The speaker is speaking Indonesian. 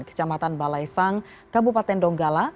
kecamatan balai sang kabupaten donggala